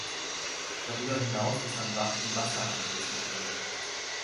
Darüber hinaus ist am Bach die Wasseramsel zu finden.